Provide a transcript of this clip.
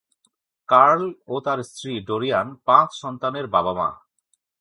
Curl ও তার স্ত্রী ডোরিয়ান পাঁচ সন্তানের বাবা-মা।